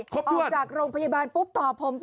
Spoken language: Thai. ออกจากโรงพยาบาลปุ๊บตอบผมปั๊บ